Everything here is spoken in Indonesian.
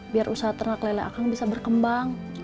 biar usaha ternak lele akang bisa berkembang